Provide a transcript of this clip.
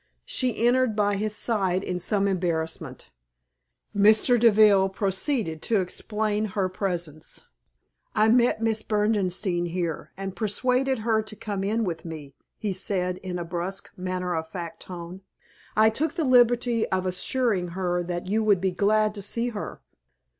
She entered by his side in some embarrassment. Mr. Deville proceeded to explain her presence. "I met Miss Berdenstein here, and persuaded her to come in with me," he said, in a brusque, matter of fact tone. "I took the liberty of assuring her that you would be glad to see her."